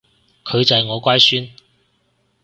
佢就係我乖孫